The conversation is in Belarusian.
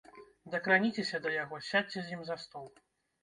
Дакраніцеся да яго, сядзьце з ім за стол.